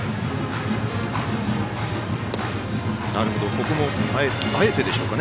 ここも、あえてでしょうか。